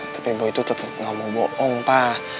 tapi boy itu tetap gak mau bohong pak